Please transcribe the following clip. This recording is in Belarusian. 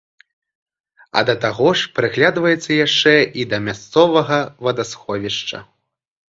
А да таго ж прыглядваецца яшчэ і да мясцовага вадасховішча.